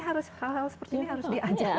hal hal seperti ini harus diajakkan